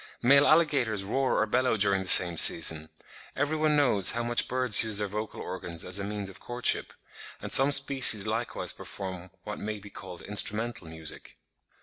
Male alligators roar or bellow during the same season. Every one knows how much birds use their vocal organs as a means of courtship; and some species likewise perform what may be called instrumental music.